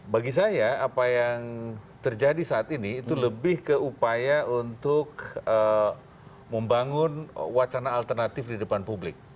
bagi saya apa yang terjadi saat ini itu lebih ke upaya untuk membangun wacana alternatif di depan publik